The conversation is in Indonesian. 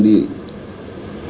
jadi polisi stn dma